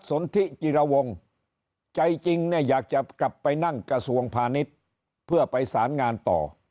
สนทิจิรวงใจจริงเนี่ยอยากจะกลับไปนั่งกระทรวงพาณิชย์เพื่อไปสารงานต่อ